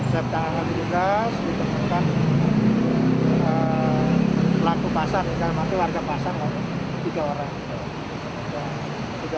swab tangan diduga ditemukan pelaku pasar warga pasar tiga orang